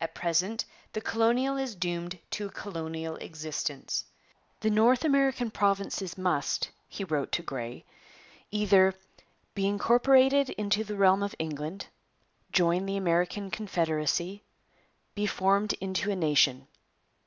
At present the colonial is doomed to a colonial existence. 'The North American provinces must,' he wrote to Grey, 'either: Be incorporated into the Realm of England, Join the American Confederacy, Be formed into a nation.